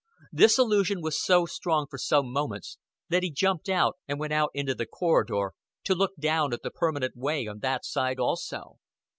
This illusion was so strong for some moments that he jumped up and went out into the corridor, to look down at the permanent way on that side also.